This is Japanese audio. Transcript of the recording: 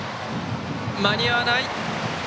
間に合わない。